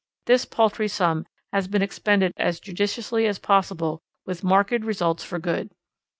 This paltry sum has been expended as judiciously as possible with marked results for good.